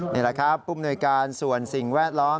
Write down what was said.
นี่แหละครับผู้มนวยการส่วนสิ่งแวดล้อม